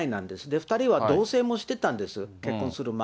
２人は同せいもしてたんです、結婚する前。